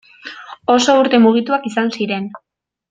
Oso urte mugituak izan ziren.